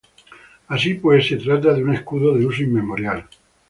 Así pues, se trata de un escudo de uso inmemorial.